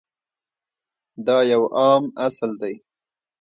دا یو عام اصل دی.